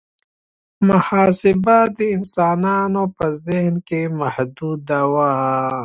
محاسبه د انسانانو په ذهن کې محدوده وه.